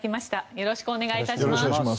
よろしくお願いします。